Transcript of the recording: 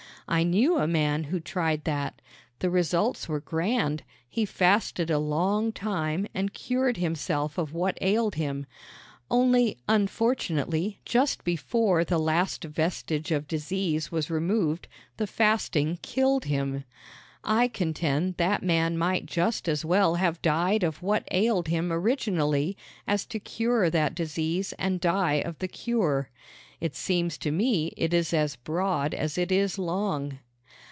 I knew a man who tried that. The results were grand. He fasted a long time and cured himself of what ailed him. Only, unfortunately, just before the last vestige of disease was removed the fasting killed him. I contend that man might just as well have died of what ailed him originally as to cure that disease and die of the cure. It seems to me it is as broad as it is long.